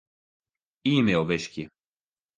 E-mail wiskje.